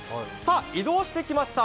移動してきました。